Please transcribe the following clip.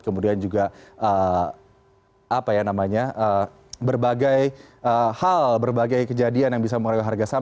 kemudian juga berbagai hal berbagai kejadian yang bisa mengurangi harga saham